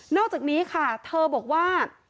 อกจากนี้ค่ะเธอบอกว่า